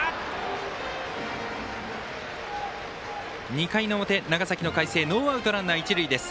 ２回の表、長崎・海星ノーアウト、ランナー、一塁です。